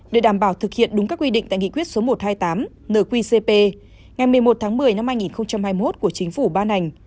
để đảm bảo thực hiện đúng các quy định tại nghị quyết số một trăm hai mươi tám nqcp ngày một mươi một tháng một mươi năm hai nghìn hai mươi một của chính phủ ban hành